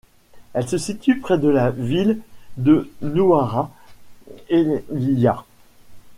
Elle se situe près de la ville de Nuwara Eliya.